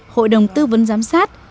hội đồng tư vấn giám sát